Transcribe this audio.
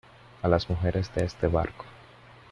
a las mujeres de este barco.